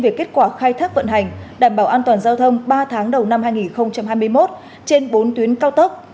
về kết quả khai thác vận hành đảm bảo an toàn giao thông ba tháng đầu năm hai nghìn hai mươi một trên bốn tuyến cao tốc